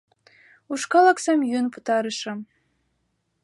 Ушкал оксам йӱын пытарышым.